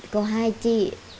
có hai chị